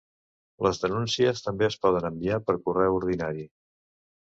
Les denúncies també es poden enviar per correu ordinari.